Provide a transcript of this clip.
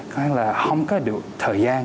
có nghĩa là không có được thời gian